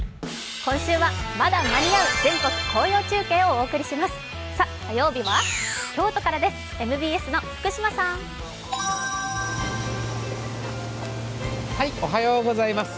今週はまだ間に合う全国紅葉中継をお届けします。